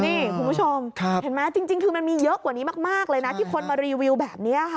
นี่คุณผู้ชมเห็นไหมจริงคือมันมีเยอะกว่านี้มากเลยนะที่คนมารีวิวแบบนี้ค่ะ